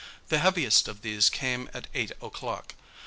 The heaviest of these came at eight o'clock.